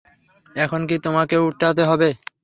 এখন কি তোমাকেও উঠাতে হবে?